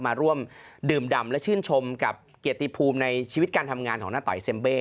มาร่วมดื่มดำและชื่นชมกับเกียรติภูมิในชีวิตการทำงานของหน้าต่อยเซ็มเบ้